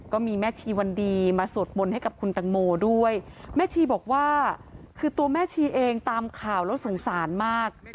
ก็มีแม่ชีวันดีมาสวดมนต์ให้กับคุณตังโมด้วยแม่ชีบอกว่าคือตัวแม่ชีเองตามข่าวแล้วสงสารมาก